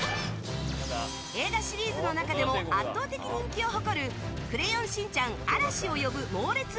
映画シリーズの中でも圧倒的人気を誇る「クレヨンしんちゃん嵐を呼ぶモーレツ！